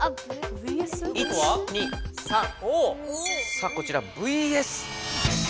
さあこちら「ＶＳ．」。